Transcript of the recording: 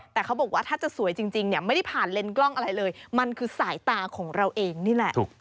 แต่เขาบอกว่าถ้าจะสวยจริงเนี่ยไม่ได้ผ่านเลนส์กล้องอะไรเลยมันคือสายตาของเราเองนี่แหละ